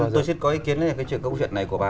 tôi xin có ý kiến về cái chuyện này của bà